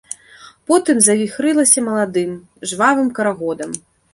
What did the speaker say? Потым завіхрылася маладым, жвавым карагодам.